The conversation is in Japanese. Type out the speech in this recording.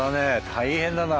大変だな。